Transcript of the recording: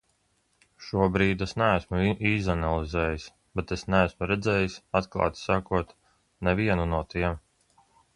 Šobrīd es neesmu izanalizējis, bet es neesmu redzējis, atklāti sakot, nevienu no tiem.